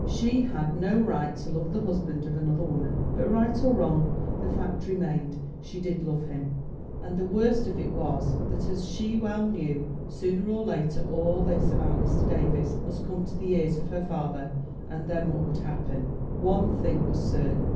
She had no right to love the husband of another woman. But right or wrong the fact remained: she did love him. And the worst of it was that, as she well knew, sooner or later all this about Mr. Davies must come to the ears of her father, and then what would happen? One thing was certain.